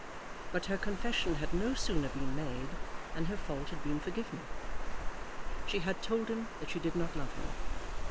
But her confession had no sooner been made than her fault had been forgiven. She had told him that she did not love him.